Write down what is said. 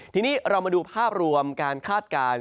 ทีนี้เรามาดูภาพรวมการคาดการณ์